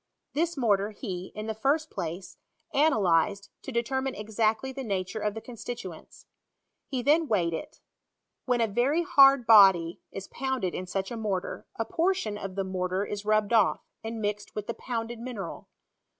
This mortar he, in the first place, analyzed, to determine exactly tie nature of the constituents. He then weighed it. When a very hard body is poundedin sucha mortar, 2. portion of die mortar is rubbed off, and mixed with the pounded mineral.